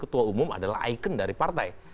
ketua umum adalah ikon dari partai